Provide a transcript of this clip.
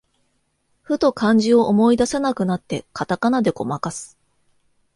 ふと漢字を思い出せなくなって、カタカナでごまかす